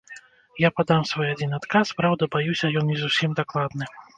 Я падам свой адзін адказ, праўда, баюся, ён не зусім дакладны.